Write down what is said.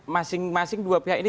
masing masing dua pihak ini